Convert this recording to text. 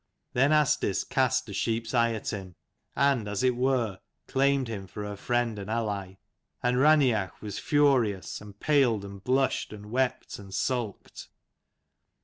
Then Asdis cast a sheep's eye at him, and as it were claimed him for her friend and ally, and Raineach was furious, and paled, and blushed, and wept, and sulked.